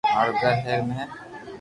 مارو گھر ھير مي ھي